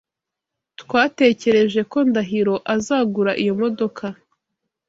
Twatekereje ko Ndahiro azagura iyo modoka.